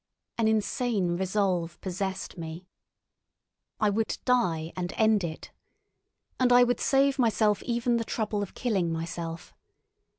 An insane resolve possessed me. I would die and end it. And I would save myself even the trouble of killing myself.